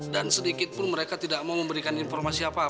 dan sedikit pun mereka tidak mau memberikan informasi apa apa